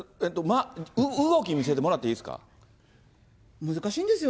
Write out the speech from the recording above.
動き見せてもらっていいですか？